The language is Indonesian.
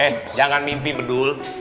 eh jangan mimpi bedul